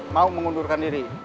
mau mengundurkan diri